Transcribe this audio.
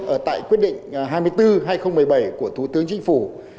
ở tại quyết định hai mươi bốn hai nghìn một mươi bảy của thủ tướng chính phủ